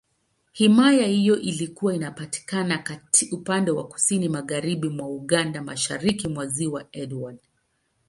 Himaya hiyo ilikuwa inapatikana upande wa Kusini Magharibi mwa Uganda, Mashariki mwa Ziwa Edward.